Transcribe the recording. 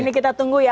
ini kita tunggu ya